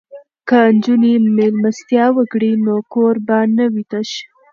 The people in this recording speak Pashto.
که نجونې میلمستیا وکړي نو کور به نه وي تش.